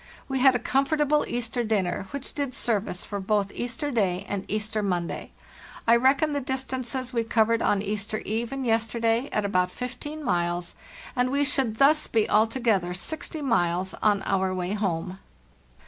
We had a comfortable Easter dinner, which did service for both Easter day and Easter Monday. I reckon the dis tances we covered on Easter eve and yesterday at about 15 miles, and we should thus be altogether 60 miles on our way home.